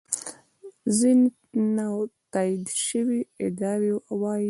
ځینې نا تایید شوې ادعاوې دا وایي.